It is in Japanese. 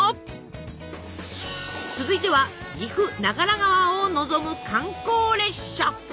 続いては岐阜長良川を望む観光列車。